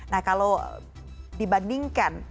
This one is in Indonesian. nah kalau dibandingkan